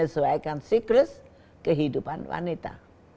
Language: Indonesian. siklus kehidupan wanita